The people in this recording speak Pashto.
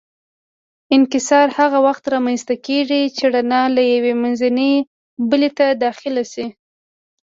انکسار هغه وخت رامنځته کېږي چې رڼا له یوې منځنۍ بلې ته داخله شي.